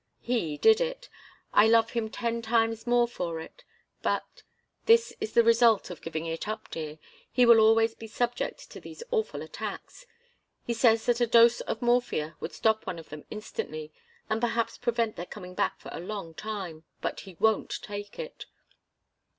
"He did it. I love him ten times more for it but this is the result of giving it up, dear. He will always be subject to these awful attacks. He says that a dose of morphia would stop one of them instantly, and perhaps prevent their coming back for a long time. But he won't take it.